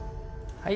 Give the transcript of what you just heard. はい。